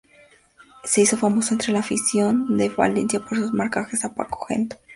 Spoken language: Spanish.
Se hizo famoso entre la afición del Valencia por sus marcajes a Paco Gento.